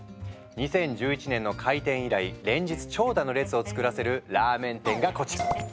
２０１１年の開店以来連日長蛇の列を作らせるラーメン店がこちら。